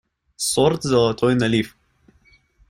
Сорт «золотой налив».